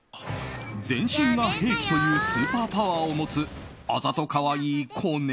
全身が兵器というスーパーパワーを持つあざと可愛い子猫。